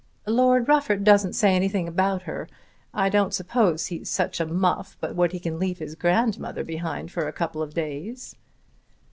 "Lord Rufford doesn't say anything about her. I don't suppose he's such a muff but what he can leave his grandmother behind for a couple of days."